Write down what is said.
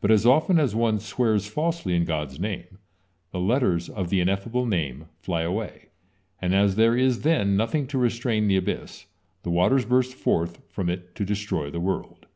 But as often as on swears falsely in God's name, the letters of the Ineffable Name fly away, and as there is then nothing to restrain the abyss, the waters burst forth from it to destroy the world.